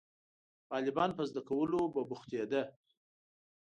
• غالباً په زده کولو به بوختېده.